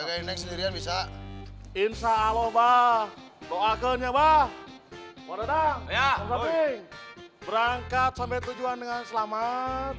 nggak papa papa bisa insyaallah bahwa ke nyawa orangnya berangkat sampai tujuan dengan selamat